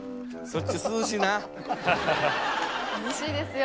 涼しいですよ